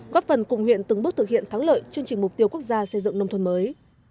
góp phần cùng huyện từng bước thực hiện thắng lợi chương trình mục tiêu quốc gia xây dựng nông thôn mới